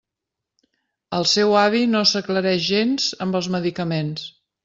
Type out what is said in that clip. El seu avi no s'aclareix gens amb els medicaments.